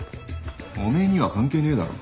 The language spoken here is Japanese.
お前には関係ねえだろ。